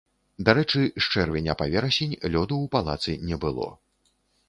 Дарэчы, з чэрвеня па верасень лёду у палацы не было.